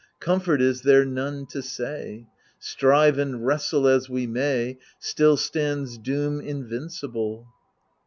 Comfort is there none to say ! Strive and wrestle as we may, Still stands doom invincible.